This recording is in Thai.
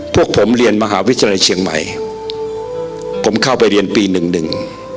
พวกผมเรียนมหาวิทยาลัยเชียงใหม่ผมเข้าไปเรียนปีหนึ่งหนึ่ง